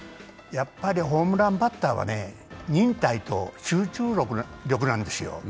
やっぱりホームランバッターは忍耐と集中力なんですよ。